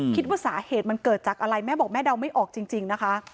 คิดว่าสาเหตุมันเกิดจากอะไรแม่บอกแม่เดาไม่ออกจริงนะคะ